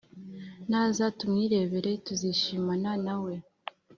Naza tumwirebera tuzishimana nawe